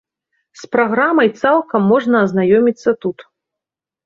З праграмай цалкам можна азнаёміцца тут.